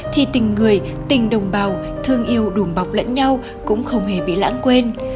thì tình người tình đồng bào thương yêu đùm bọc lẫn nhau cũng không hề bị lãng quên